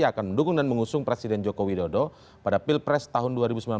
akan mendukung dan mengusung presiden joko widodo pada pilpres tahun dua ribu sembilan belas